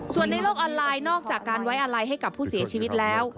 ส่วนในโลกออนไลน์นอกจากการไว้อะไรให้กับผู้เสียชีวิตแล้ว